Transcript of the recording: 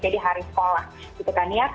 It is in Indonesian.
jadi hari sekolah gitu kan ya